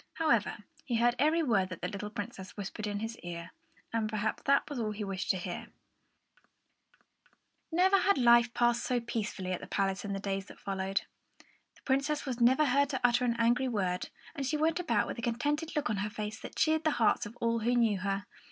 However, he heard every word that the little Princess whispered in his ear, and perhaps that was all that he wished to hear. Never had life passed so peacefully at the palace as in the days that followed. The Princess was never heard to utter an angry word, and she went about with a contented look on her face that cheered the hearts of all who knew her.